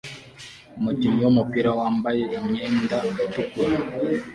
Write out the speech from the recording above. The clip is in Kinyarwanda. Umukinnyi wumupira wambaye imyenda itukura